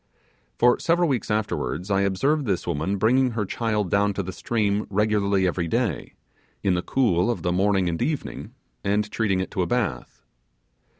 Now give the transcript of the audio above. For several weeks afterwards I observed this woman bringing her child down to the stream regularly every day, in the cool of the morning and evening and treating it to a bath.